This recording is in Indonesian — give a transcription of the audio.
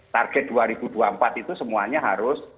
target dua ribu dua puluh empat itu semuanya harus